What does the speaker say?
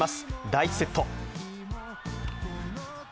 第１セット。